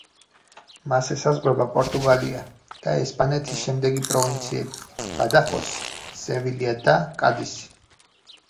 მას ესაზღვრება პორტუგალია და ესპანეთის შემდეგი პროვინციები: ბადახოსი, სევილია და კადისი.